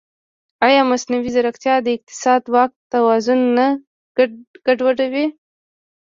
ایا مصنوعي ځیرکتیا د اقتصادي واک توازن نه ګډوډوي؟